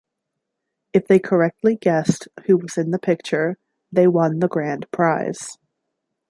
If they correctly guessed who was in the picture, they won the grand prize.